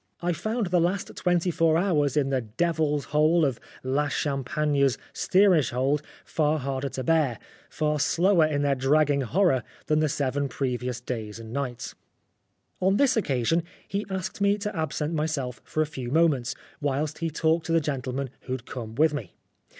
I found the last twenty four hours in the devil's hole of ' La Cham pagne's' steerage hold far harder to bear, far slower in their dragging horror, than the seven previous days and nights. On this occasion he asked me to absent myself for a few moments, whilst he talked to the gentleman who had come with me.